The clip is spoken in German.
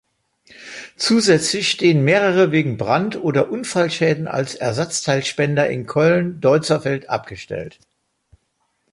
Zusätzlich stehen mehrere wegen Brand- oder Unfallschäden als Ersatzteilspender in Köln-Deutzerfeld abgestellt.